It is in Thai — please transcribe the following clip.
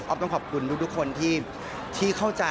ต้องขอบคุณทุกคนที่เข้าใจ